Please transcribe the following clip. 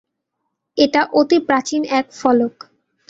এটা অতি প্রাচীন এক ফলক।